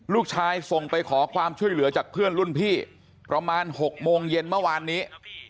ลูกชายส่งไปขอความช่วยเหลือจากเพื่อนรุ่นพี่ประมาณ๖โมงเย็นเมื่อวานนี้